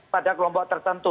pada kelompok tertentu